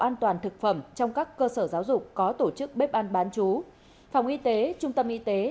an toàn thực phẩm trong các cơ sở giáo dục có tổ chức bếp ăn bán chú phòng y tế trung tâm y tế